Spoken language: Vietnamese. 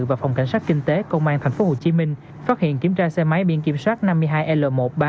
và phòng cảnh sát kinh tế công an tp hcm phát hiện kiểm tra xe máy biên kiểm soát năm mươi hai l một mươi ba nghìn hai trăm bốn mươi ba